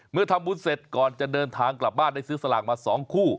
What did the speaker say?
เมื่อทำบุญเสร็จก่อนจะเดินทางกลับบ้านได้ซื้อสลากมา๒คู่